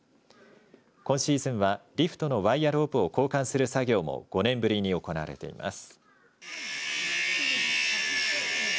今シーズンはリフトのワイヤロープを交換する作業も５年ぶりに行われています。